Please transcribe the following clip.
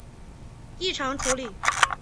异常处理